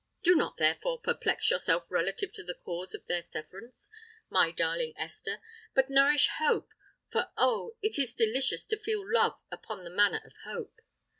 Do not, therefore, perplex yourself relative to the cause of their severance, my darling Esther; but nourish hope—for, oh! it is delicious to feed love upon the manna of hope!